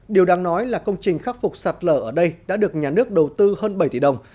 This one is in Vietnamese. điều đáng nói là công trình khắc phục sạt lở ở đây đã được nhà nước đầu tư hơn bảy tỷ đồng